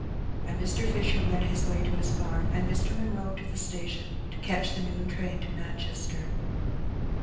^' And Mr. Fisher went his way to his farm, and Mr. Munroe to the station, to catch the noon train to Manchester.